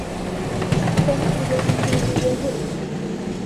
كان المدرّس يتجاهلني.